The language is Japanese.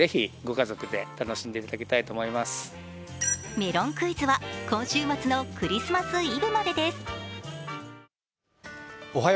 メロンクイズは今週末のクリスマスイブまでです。